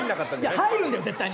入るんだよ絶対に。